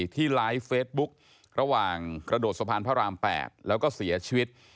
ที่ไลฟ์เฟซบุ๊กระหว่างกระโดดสะพานพระราม๘แล้วก็เสียชีวิต